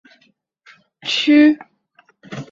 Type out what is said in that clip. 锡达镇区为美国堪萨斯州考利县辖下的镇区。